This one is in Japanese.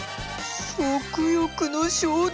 食欲の衝動！